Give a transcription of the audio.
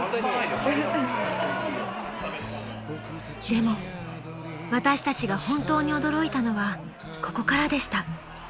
［でも私たちが本当に驚いたのはここからでした］